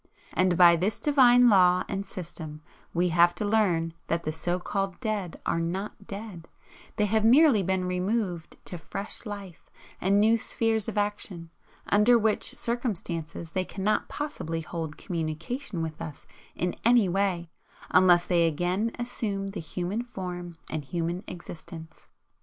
And by this Divine Law and system we have to learn that the so called 'dead' are NOT dead they have merely been removed to fresh life and new spheres of action, under which circumstances they cannot possibly hold communication with us in any way unless they again assume the human form and human existence.